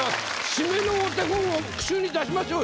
締めのお手本を句集に出しましょうよ。